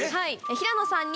平野さんに。